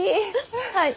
はい。